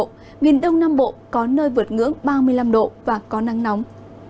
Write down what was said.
miền đông nam bộ có nơi vượt ngưỡng ba mươi năm độ và có nắng nóng